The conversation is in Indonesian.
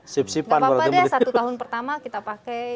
nggak apa apa deh satu tahun pertama kita pakai